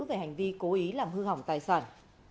về hành vi cố ý làm hư hỏng tài sản